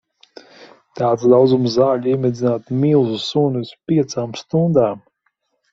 Tāds daudzums zaļu iemidzinātu milzu suni uz piecām stundām.